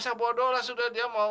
masa bodo lah sudah dia mau